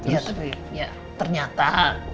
ya tapi ternyata